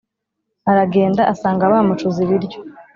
Aragenda asanga bamucuze ibiryo